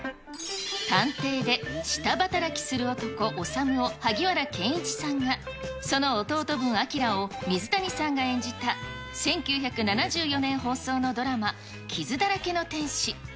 探偵で下働きする男、修を萩原健一さんが、その弟分、亨を水谷さんが演じた１９７４年放送のドラマ、傷だらけの天使。